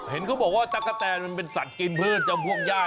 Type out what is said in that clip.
เห็นเขาบอกว่าตั๊กกะแตนมันเป็นสัตว์กินเพิ่มจำพวกย่า